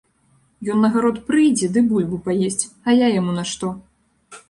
Ён на гарод прыйдзе ды бульбу паесць, а я яму на што?